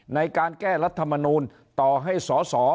ในการแก้รัฐธรรมนุนต่อให้ส